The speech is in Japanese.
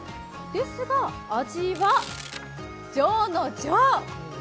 ですが、味は上の上。